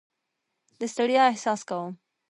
د ستړیا احساس کوم.